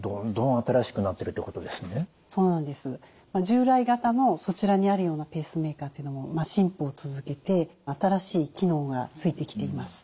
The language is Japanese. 従来型のそちらにあるようなペースメーカーというのも進歩を続けて新しい機能がついてきています。